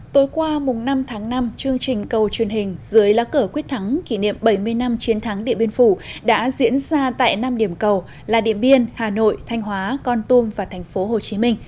tối qua năm tháng năm chương trình cầu truyền hình dưới lá cờ quyết thắng kỷ niệm bảy mươi năm chiến thắng điện biên phủ đã diễn ra tại năm điểm cầu là điện biên hà nội thanh hóa con tôm và tp hcm